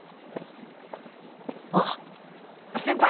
あっ先輩！